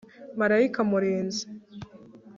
malayika murinzi